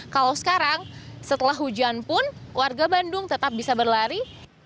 kalau sekarang setelah hujan pun warga bandung tetap bisa berlari